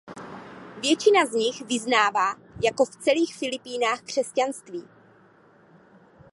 Většina z nich vyznává jako v celých Filipínách křesťanství.